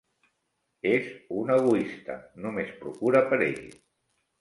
És un egoista: només procura per ell!